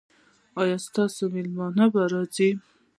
ایا ستاسو میلمه به راځي؟